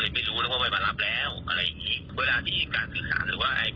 ตามที่เขาอยากจะเอาหรือพวกไหนก็ได้เอาอย่างง่ายครับ